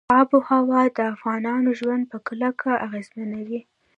آب وهوا د افغانانو ژوند په کلکه اغېزمنوي.